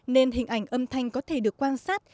nên hình ảnh âm thanh có thể được quan sát